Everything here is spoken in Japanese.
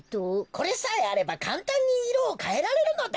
これさえあればかんたんにいろをかえられるのだ。